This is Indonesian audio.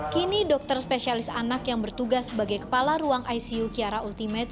kini dokter spesialis anak yang bertugas sebagai kepala ruang icu kiara ultimate